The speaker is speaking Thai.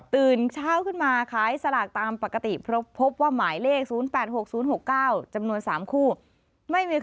ตื่นเช้าขึ้นมาขายสลากตามปกติ